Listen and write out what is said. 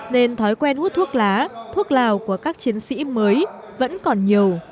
nên thói quen hút thuốc lá thuốc lào của các chiến sĩ mới vẫn còn nhiều